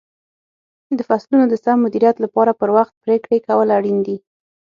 د فصلونو د سم مدیریت لپاره پر وخت پرېکړې کول اړین دي.